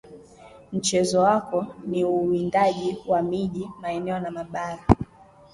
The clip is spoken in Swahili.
mchezo wako ni uwindaji wa miji maeneo na mabara